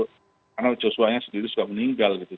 karena joshua nya sendiri sudah meninggal gitu